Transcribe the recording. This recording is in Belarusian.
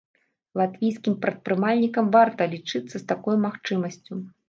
Латвійскім прадпрымальнікам варта лічыцца з такой магчымасцю.